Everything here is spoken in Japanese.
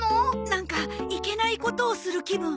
なんかいけないことをする気分。